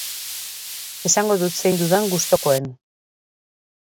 Esango dut zein dudan gustukoen.